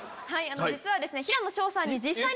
実は。